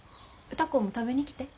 歌子も食べに来て！